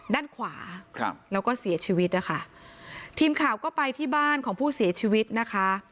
ด้านขวาครับแล้วก็เสียชีวิตนะคะทีมข่าวก็ไปที่บ้านของผู้เสียชีวิตนะคะ